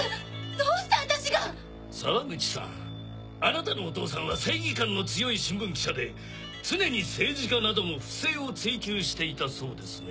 どうして私が⁉沢口さんあなたのお父さんは正義感の強い新聞記者で常に政治家などの不正を追及していたそうですね。